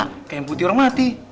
kayak yang putih orang mati